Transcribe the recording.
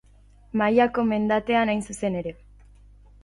Mailako mendatean hain zuzen ere.